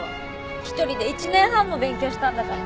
一人で一年半も勉強したんだから。